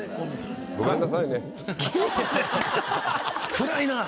暗いな。